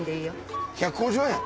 １５０円？